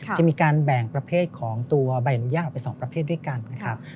จะมีการแบ่งประเภทของตัวใบอนุญาตออกไป๒ประเภทด้วยกันนะครับ